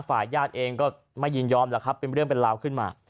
ฝ่ายญาติเองก็ไม่ยินยอมแล้วครับเป็นเรื่องเป็นราวขึ้นมา